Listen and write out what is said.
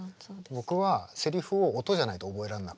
僕はセリフを音じゃないと覚えられなくって。